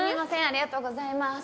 ありがとうございます。